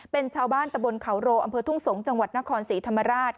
เป็นชาวบ้านตะบนเขาโรอำเภอทุ่งสงศ์จังหวัดนครศรีธรรมราช